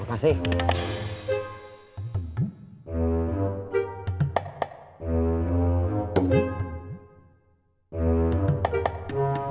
terus kerjakan dulu